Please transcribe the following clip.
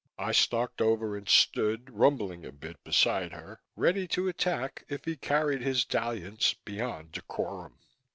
I stalked over and stood, rumbling a bit, beside her, ready to attack if he carried his dalliance beyond decorum.